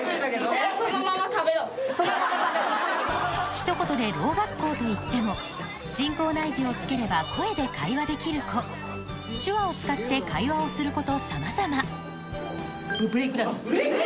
一言でろう学校といっても人工内耳を着ければ声で会話できる子手話を使って会話をする子とさまざまブレイクダンス？